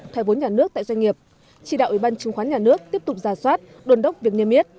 thoái vốn nhà nước tại doanh nghiệp chỉ đạo ủy ban chứng khoán nhà nước tiếp tục ra soát đồn đốc việc niêm yết